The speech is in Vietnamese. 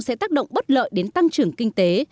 sẽ tác động bất lợi đến tăng trưởng kinh tế